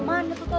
mana tuh tante